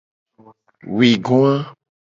Ewuigoa.